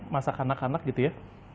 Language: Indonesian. masa kanak kanak gitu ya